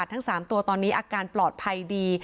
ทั้ง๓ตัวตอนนี้อาการปลอดภัยดี